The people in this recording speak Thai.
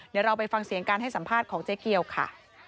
เดี๋ยวเราไปฟังเสียงการให้สัมภาษณ์ของเจ๊เกียวค่ะ